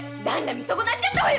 見損なっちゃったわよ！